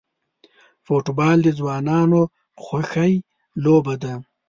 فوټبال د ځوانانو خوښی لوبه ده.